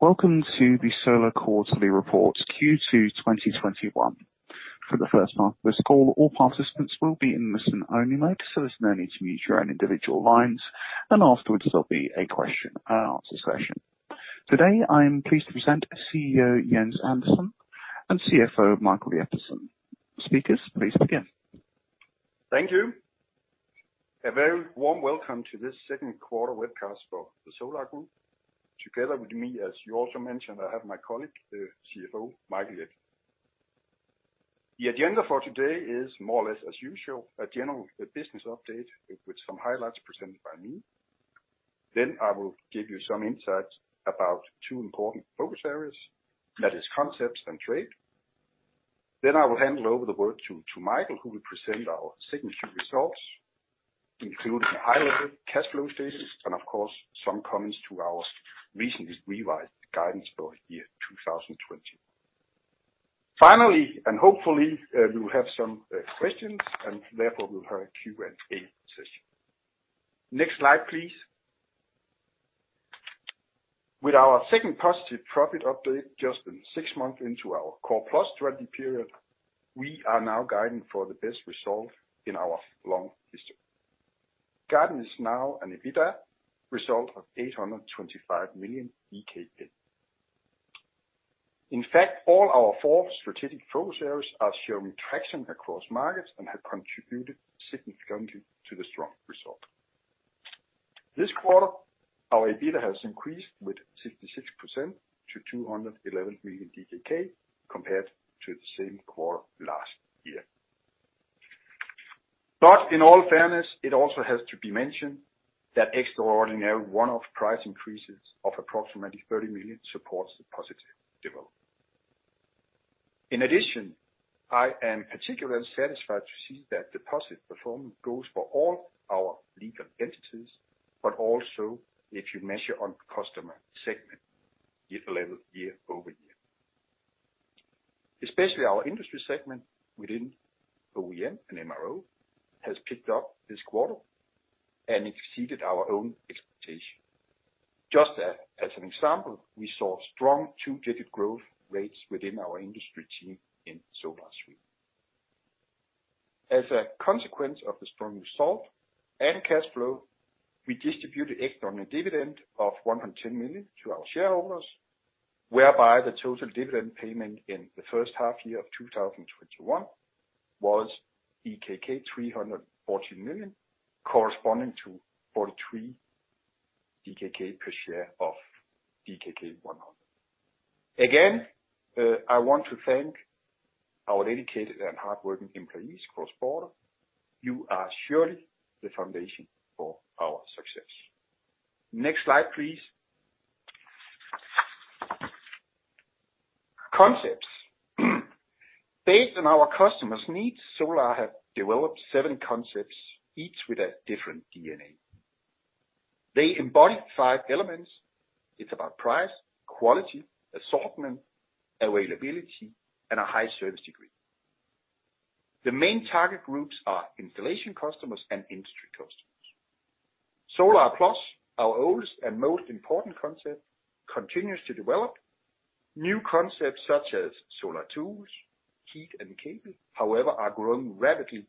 Welcome to the Solar quarterly report Q2 2021. For the first part of this call, all participants will be in listen-only mode, so there's no need to mute your own individual lines, and afterwards there'll be a question and answer session. Today, I'm pleased to present CEO Jens Andersen and CFO Michael Jeppesen. Speakers, please begin. Thank you. A very warm welcome to this second quarter webcast for the Solar Group. Together with me, as you also mentioned, I have my colleague, the CFO Michael Jeppesen. The agenda for today is more or less as usual, a general business update with some highlights presented by me. I will give you some insights about two important focus areas, that is concepts and trade. I will hand over the word to Michael, who will present our signature results, including the high-level cash flow status and of course, some comments to our recently revised guidance for year 2020. Finally, and hopefully, we will have some questions and therefore we'll have a Q&A session. Next slide, please. With our second positive profit update just in six months into our Core+ strategy period, we are now guiding for the best result in our long history. Guidance now EBITDA result of 825 million. In fact, all our four strategic focus areas are showing traction across markets and have contributed significantly to the strong result. This quarter, our EBITDA has increased with 66% to 211 million DKK compared to the same quarter last year. In all fairness, it also has to be mentioned that extraordinary one-off price increases of approximately 30 million supports the positive development. In addition, I am particularly satisfied to see that the positive performance goes for all our legal entities, but also if you measure on customer segment, year to level, year-over-year. Especially our industry segment within OEM and MRO has picked up this quarter and exceeded our own expectation. Just as an example, we saw strong two-digit growth rates within our industry team in Solar Sweden. As a consequence of the strong result and cash flow, we distributed economic dividend of 110 million to our shareholders, whereby the total dividend payment in the first half year of 2021 was 340 million, corresponding to 43 DKK per share of DKK 100. Again, I want to thank our dedicated and hardworking employees cross-border. You are surely the foundation for our success. Next slide, please. Concepts. Based on our customers' needs, Solar have developed seven concepts, each with a different DNA. They embody five elements. It's about price, quality, assortment, availability, and a high service degree. The main target groups are installation customers and industry customers. Solar Plus, our oldest and most important concept, continues to develop. New concepts such as Solar Tools, Heat, and Cable, however, are growing rapidly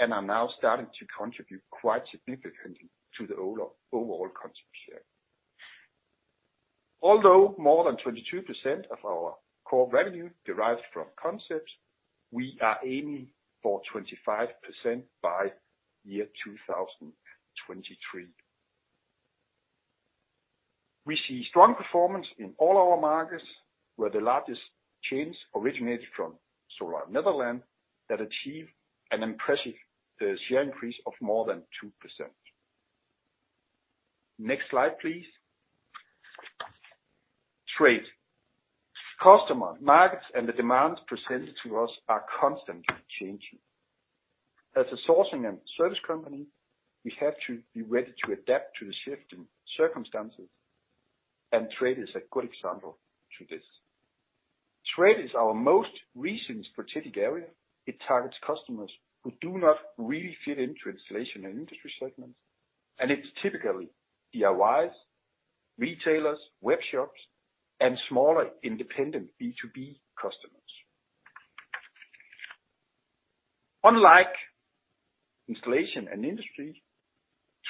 and are now starting to contribute quite significantly to the overall concept share. Although more than 22% of our core revenue derives from concepts, we are aiming for 25% by year 2023. We see strong performance in all our markets, where the largest chains originated from Solar Netherlands that achieve an impressive share increase of more than 2%. Next slide, please. Trade. Customer markets and the demand presented to us are constantly changing. As a sourcing and service company, we have to be ready to adapt to the shift in circumstances, and trade is a good example to this. Trade is our most recent strategic area. It targets customers who do not really fit into installation and industry segments, and it's typically DIYs, retailers, web shops, and smaller independent B2B customers. Unlike installation and industry,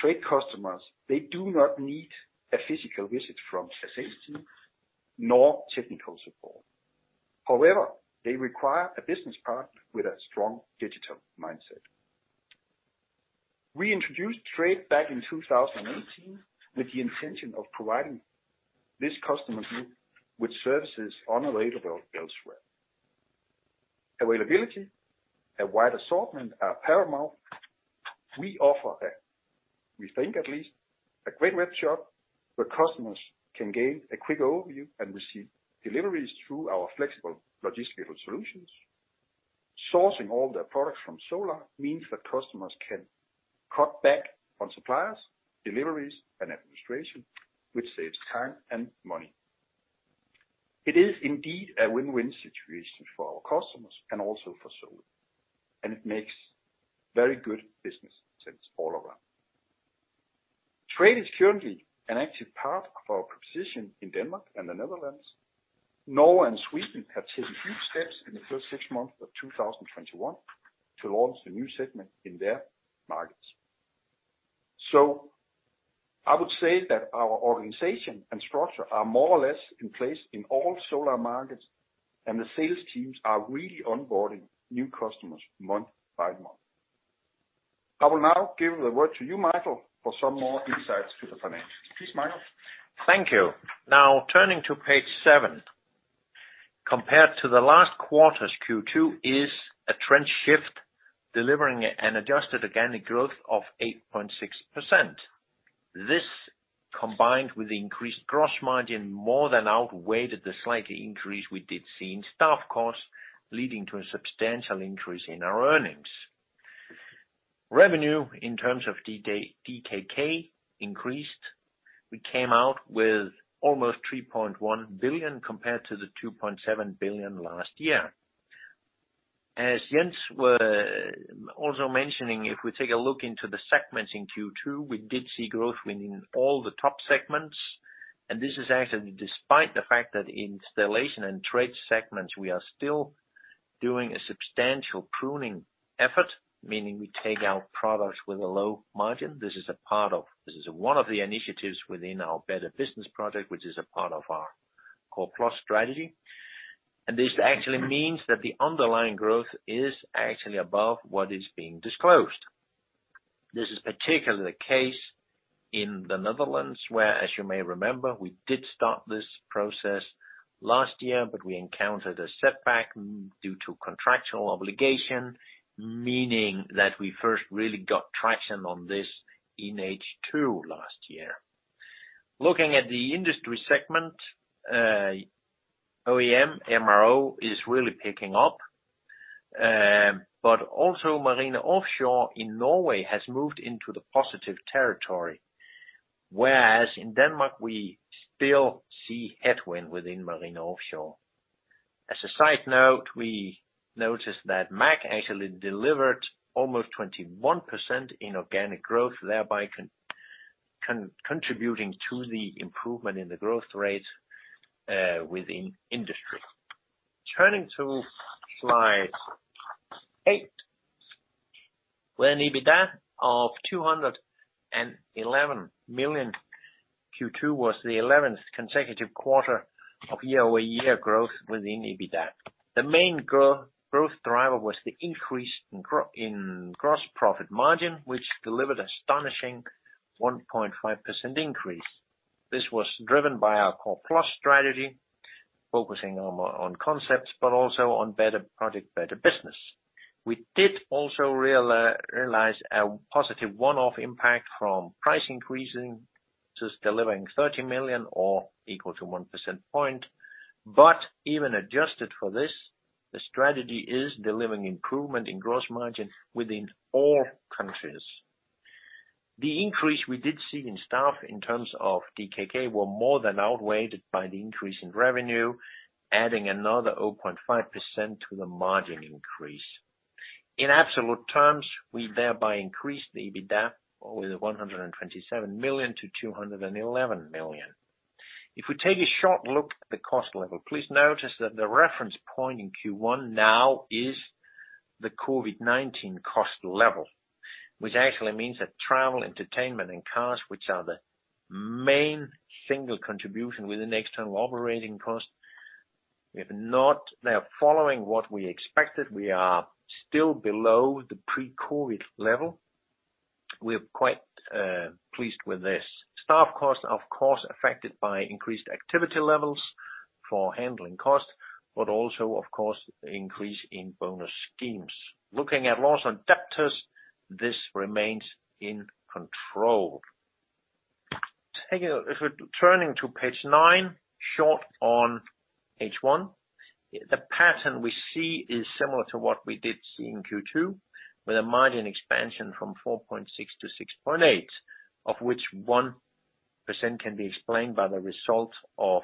trade customers, they do not need a physical visit from a sales team nor technical support. However, they require a business partner with a strong digital mindset. We introduced Trade back in 2018 with the intention of providing this customer group with services unavailable elsewhere. Availability, a wide assortment are paramount. We offer that. We think at least a great webshop where customers can gain a quick overview and receive deliveries through our flexible logistical solutions. Sourcing all their products from Solar means that customers can cut back on suppliers, deliveries, and administration, which saves time and money. It is indeed a win-win situation for our customers and also for Solar. It makes very good business sense all around. Trade is currently an active part of our proposition in Denmark and the Netherlands. Norway and Sweden have taken huge steps in the first six months of 2021 to launch the new segment in their markets. I would say that our organization and structure are more or less in place in all Solar markets, and the sales teams are really onboarding new customers month by month. I will now give the word to you, Michael, for some more insights to the financials. Please, Michael. Thank you. Turning to page 7. Compared to the last quarter's Q2 is a trend shift, delivering an adjusted organic growth of 8.6%. This, combined with the increased gross margin, more than outweighed the slight increase we did see in staff costs, leading to a substantial increase in our earnings. Revenue in terms of DKK increased. We came out with almost 3.1 billion compared to the 2.7 billion last year. As Jens was also mentioning, if we take a look into the segments in Q2, we did see growth within all the top segments, and this is actually despite the fact that installation and trade segments, we are still doing a substantial pruning effort, meaning we take out products with a low margin. This is one of the initiatives within our Better Business project, which is a part of our Core+ strategy. This actually means that the underlying growth is actually above what is being disclosed. This is particularly the case in the Netherlands, where, as you may remember, we did start this process last year, but we encountered a setback due to contractual obligation, meaning that we first really got traction on this in H2 last year. Looking at the industry segment, OEM/MRO is really picking up, but also Marine & Offshore in Norway has moved into the positive territory, whereas in Denmark, we still see headwind within Marine & Offshore. As a side note, we noticed that MAG45 actually delivered almost 21% in organic growth, thereby contributing to the improvement in the growth rate within industry. Turning to Slide 8, where an EBITDA of 211 million Q2 was the 11th consecutive quarter of year-over-year growth within EBITDA. The main growth driver was the increase in gross profit margin, which delivered astonishing 1.5% increase. This was driven by our Core+ strategy, focusing on concepts, but also on Better Product, Better Business. We did also realize a positive one-off impact from price increases, delivering 30 million or equal to 1 percentage point. Even adjusted for this, the strategy is delivering improvement in gross margin within all countries. The increase we did see in staff in terms of DKK were more than outweighed by the increase in revenue, adding another 0.5% to the margin increase. In absolute terms, we thereby increased the EBITDA with 127 million-211 million. If we take a short look at the cost level, please notice that the reference point in Q1 now is the COVID-19 cost level, which actually means that travel, entertainment and cars, which are the main single contribution with an external operating cost, they are following what we expected. We are still below the pre-COVID level. We're quite pleased with this. Staff costs, of course, affected by increased activity levels for handling costs, but also, of course, increase in bonus schemes. Looking at loss on debtors, this remains in control. If we're turning to page 9, short on H1. The pattern we see is similar to what we did see in Q2 with a margin expansion from 4.6 to 6.8, of which 1% can be explained by the result of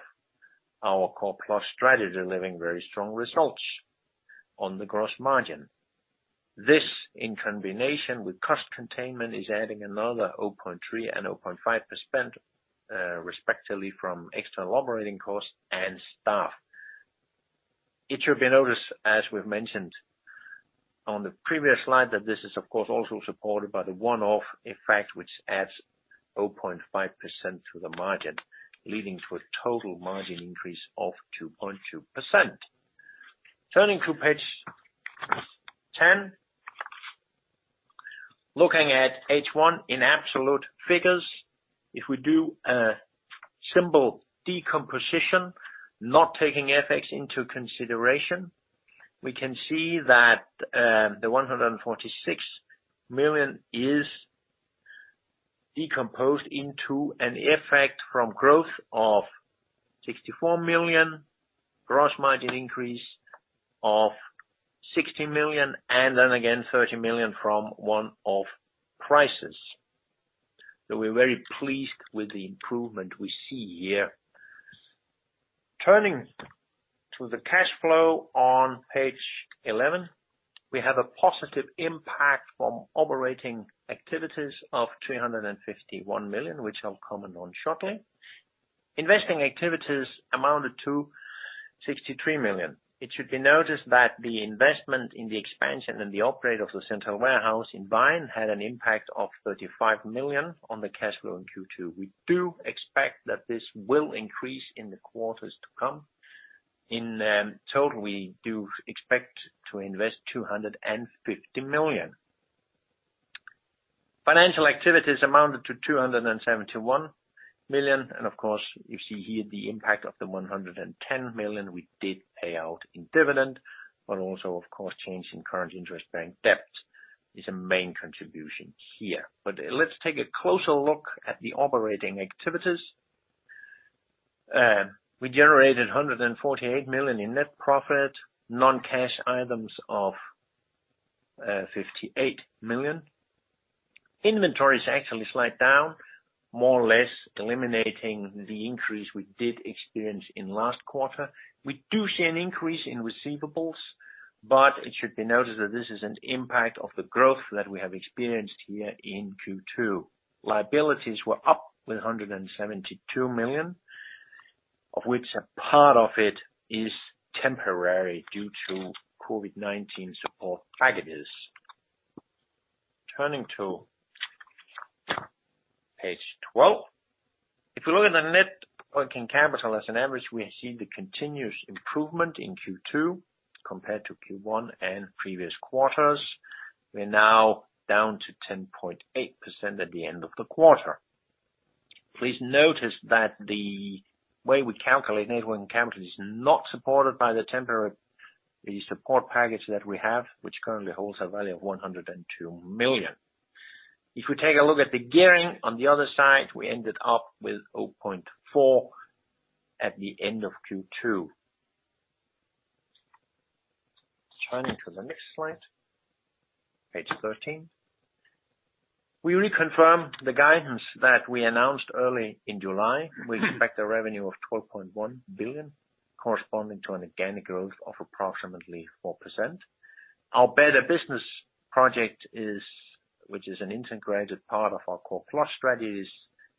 our Core+ strategy delivering very strong results on the gross margin. This, in combination with cost containment, is adding another 0.3% and 0.5% respectively from external operating costs and staff. It should be noticed, as we've mentioned on the previous slide, that this is, of course, also supported by the one-off effect, which adds 0.5% to the margin, leading to a total margin increase of 2.2%. Turning to page 10. Looking at H1 in absolute figures. If we do a simple decomposition, not taking FX into consideration, we can see that the 146 million is decomposed into an effect from growth of 64 million, gross margin increase of 60 million, and then again 30 million from one-off prices. We're very pleased with the improvement we see here. Turning to the cash flow on page 11, we have a positive impact from operating activities of 351 million, which I'll comment on shortly. Investing activities amounted to 63 million. It should be noticed that the investment in the expansion and the upgrade of the central warehouse in Vejen had an impact of 35 million on the cash flow in Q2. We do expect that this will increase in the quarters to come. In total, we do expect to invest 250 million. Financial activities amounted to 271 million, and of course, you see here the impact of the 110 million we did pay out in dividend, but also, of course, change in current interest bank debt is a main contribution here. Let's take a closer look at the operating activities. We generated 148 million in net profit, non-cash items of 58 million. Inventories actually slide down, more or less eliminating the increase we did experience in last quarter. We do see an increase in receivables, but it should be noted that this is an impact of the growth that we have experienced here in Q2. Liabilities were up with 172 million, of which a part of it is temporary due to COVID-19 support packages. Turning to page 12. If we look at the net working capital as an average, we see the continuous improvement in Q2 compared to Q1 and previous quarters. We're now down to 10.8% at the end of the quarter. Please notice that the way we calculate net working capital is not supported by the support package that we have, which currently holds a value of 102 million. If we take a look at the gearing on the other side, we ended up with 0.4 at the end of Q2. Turning to the next slide, page 13. We reconfirm the guidance that we announced early in July. We expect a revenue of 12.1 billion, corresponding to an organic growth of approximately 4%. Our Better Business project, which is an integrated part of our Core+ strategy, is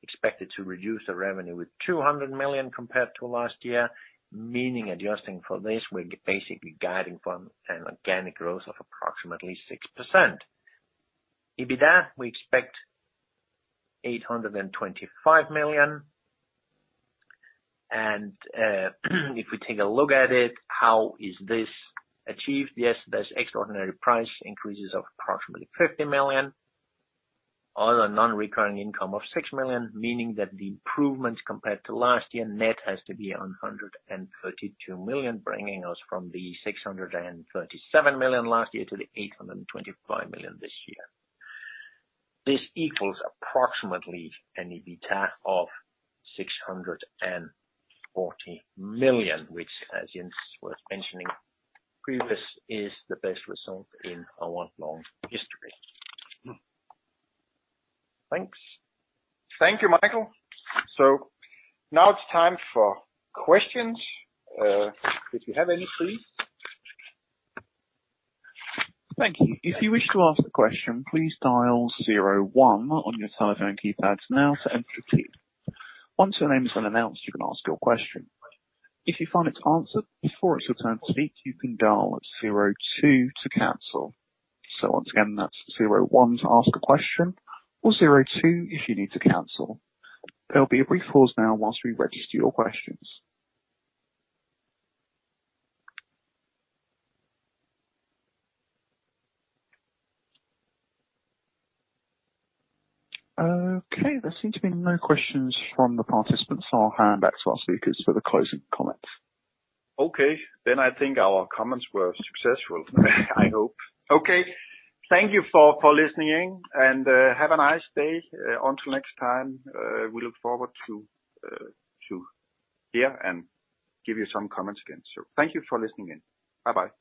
expected to reduce the revenue with 200 million compared to last year, meaning adjusting for this, we're basically guiding from an organic growth of approximately 6%. EBITDA, we expect DKK 825 million. If we take a look at it, how is this achieved? Yes, there's extraordinary price increases of approximately 50 million on a non-recurring income of 6 million, meaning that the improvements compared to last year net has to be 132 million, bringing us from the 637 million last year to the 825 million this year. This equals approximately an EBITDA of 640 million, which, as Jens was mentioning previous, is the best result in our long history. Thanks. Thank you, Michael. Now it's time for questions, if you have any, please. Thank you. If you wish to ask a question, please dial zero one on your telephone keypads now to enter queue. Once your name is announced, you can ask your question. If you find it answered before it's your turn to speak, you can dial zero two to cancel. Once again, that's zero one to ask a question or zero two if you need to cancel. There'll be a brief pause now while we register your questions. Okay, there seem to be no questions from the participants. I'll hand back to our speakers for the closing comments. Okay. I think our comments were successful. I hope. Okay. Thank you for listening and have a nice day. Until next time. We look forward to hear and give you some comments again. Thank you for listening in. Bye.